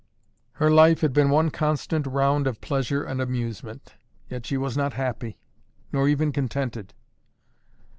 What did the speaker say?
Her life had been one constant round of pleasure and amusement, yet she was not happy, nor even contented.